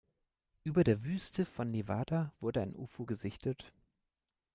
Über der Wüste von Nevada wurde ein Ufo gesichtet.